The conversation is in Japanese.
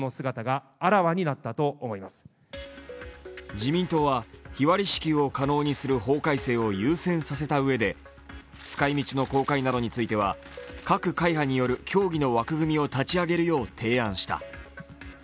自民党は日割り支給を可能にする法改正を優先させたうえで使いみちの公開などについては各会派による協議の枠組みを立ち上げるよう提案した。